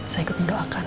saya ikut mendoakan